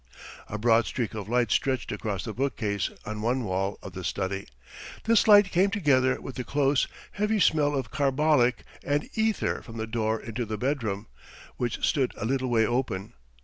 A broad streak of light stretched across the bookcase on one wall of the study; this light came together with the close, heavy smell of carbolic and ether from the door into the bedroom, which stood a little way open.